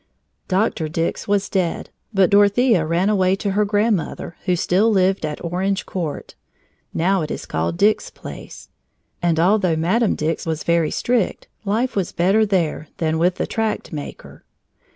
Doctor Dix was dead, but Dorothea ran away to her grandmother, who still lived at Orange Court (now it is called Dix Place), and although Madam Dix was very strict, life was better there than with the tract maker.